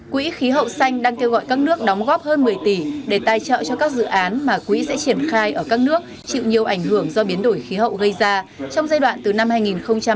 quỹ khí hậu xanh đang kêu gọi các nước đóng góp hơn một mươi tỷ để tài trợ cho các dự án mà quỹ sẽ triển khai ở các nước chịu nhiều ảnh hưởng do biến đổi khí hậu gây ra trong giai đoạn từ năm hai nghìn hai mươi bốn đến năm hai nghìn hai mươi bảy